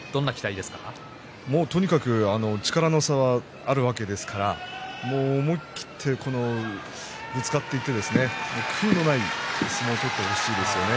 とにかく力の差はあるわけですから思い切ってぶつかっていって悔いのない相撲を取ってほしいですね。